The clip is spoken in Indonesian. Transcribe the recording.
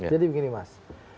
jadi begini mas